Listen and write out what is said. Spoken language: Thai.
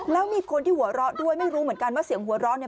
แล้วมีคนที่หัวเราะด้วยไม่รู้เหมือนกันว่าเสียงหัวเราะเนี่ย